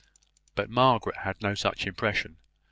But Margaret had no such impression.